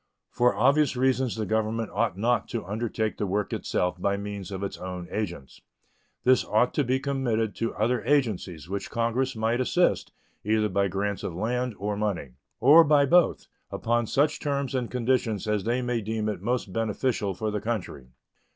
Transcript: For obvious reasons the Government ought not to undertake the work itself by means of its own agents. This ought to be committed to other agencies, which Congress might assist, either by grants of land or money, or by both, upon such terms and conditions as they may deem most beneficial for the country.